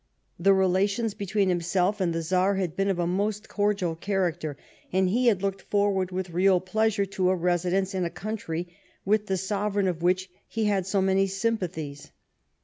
The relations between himself and the Czar had been of a most cordial character, and he had looked forward with real pleasure to a residence in a country with the sovereign of which he had so many sympathies.